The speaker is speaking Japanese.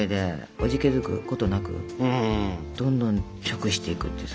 おじけづくことなくどんどん食していくってさ。